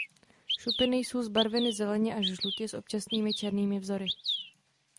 Šupiny jsou zbarveny zeleně až žlutě s občasnými černými vzory.